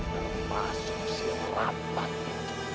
termasuk si ratan itu